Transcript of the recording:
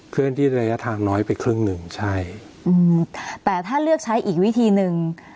เคลื่อนที่ระยะทางน้อยไปครึ่งหนึ่งใช่อืมแต่ถ้าเลือกใช้อีกวิธีหนึ่ง